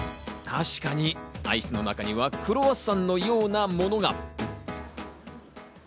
確かにアイスの中にクロワッサンのようなものが。